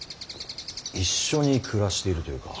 一緒に暮らしているというか。